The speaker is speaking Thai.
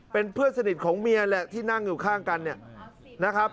เป็นเพื่อนสนิทของเมียแหละที่นั่งอยู่ข้างกันเนี่ยนะครับ